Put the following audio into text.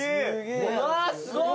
うわあすごい！